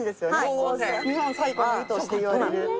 日本最古の湯としていわれる。